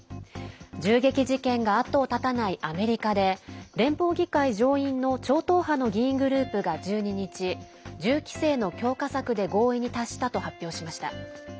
銃撃事件が後を絶たないアメリカで連邦議会上院の超党派の議員グループが１２日銃規制の強化策で合意に達したと発表しました。